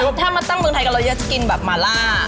เหมือนถ้ามาตั้งเมืองไทยกันเรายังจะกินแบบมาล่า